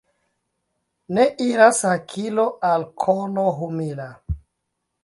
Ne iras hakilo al kolo humila.